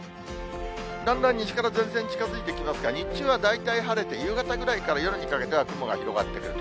だんだん西から前線近づいてきますが、日中は大体晴れて、夕方ぐらいから夜にかけては雲が広がってくると。